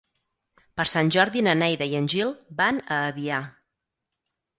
Per Sant Jordi na Neida i en Gil van a Avià.